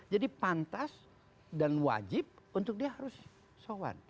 jadi pantas dan wajib untuk dia harus soal